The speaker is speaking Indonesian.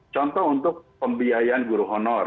contoh untuk pembiayaan guru honor